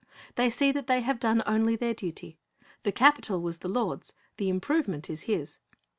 They see that they have done only their duty. The capital was the Lord's; the improvement is His.